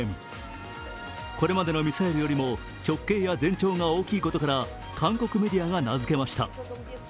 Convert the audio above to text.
これまでのミサイルよりも直径や全長が大きいことから韓国メディアが名づけました。